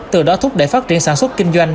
từ đó thúc đẩy phát triển sản xuất kinh doanh